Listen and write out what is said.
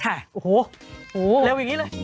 โอ้โห